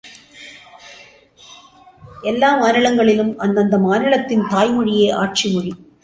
எல்லா மாநிலங்களிலும் அந்தந்த மாநிலத்தின் தாய் மொழியே ஆட்சி மொழி.